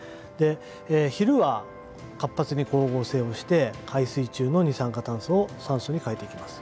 昼は活発に光合成をして海水中の二酸化炭素を酸素に変えていきます。